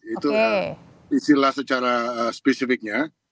itu isilah secara spesifiknya